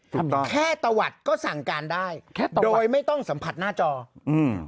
ถูกต้องแค่ตะวัดก็สั่งการได้แค่ต่อโดยไม่ต้องสัมผัสหน้าจออืม